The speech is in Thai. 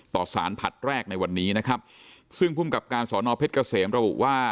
ต่อสารผัดแรกในวันนี้นะครับซึ่งภูมิกับการสอนอเพชรเกษมระบุว่า